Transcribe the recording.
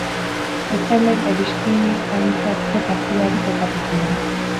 Beste hainbat adiskindantzazko partida ere jokatu ziren.